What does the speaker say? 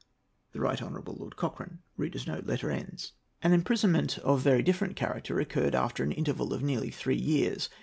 " The Right Honourable Lord Cochrane."] An imprisonment of very different character occurred after an interval of nearly three years.